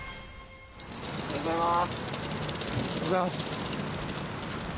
おはようございます。